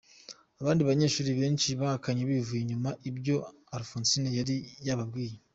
Abandi banyeshuri benshi bahakanye bivuye inyuma ibyo Alphonsine yari yababwiye.